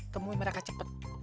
temuin mereka cepet